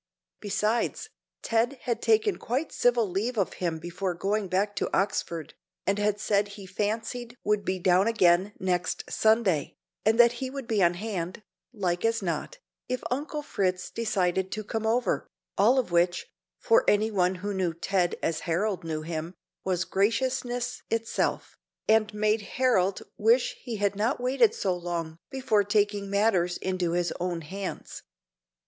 Besides, Ted had taken quite civil leave of him before going back to Oxford, and had said he fancied would be down again next Sunday, and that he would be on hand, like as not, if Uncle Fritz decided to come over all of which, for any one who knew Ted as Harold knew him, was graciousness itself, and made Harold wish he had not waited so long before taking matters into his own hands.